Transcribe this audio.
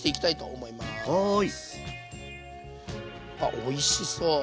あっおいしそう！